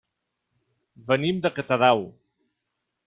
Venim de Catadau.